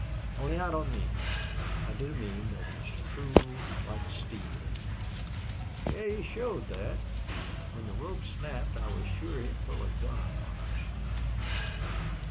Only I don't mean that. I do mean that he's true like steel." "Yes, he showed that. When the rope snapped I was sure he'd pull a gun on us....